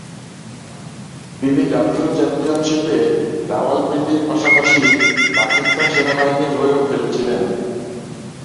তিনি জাতীয় চ্যাম্পিয়নশিপে রাওয়ালপিন্ডির পাশাপাশি পাকিস্তান সেনাবাহিনীর হয়েও খেলেছিলেন।